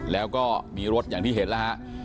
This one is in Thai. แล้วก็มีรถอย่างที่เห็นแล้วฮะ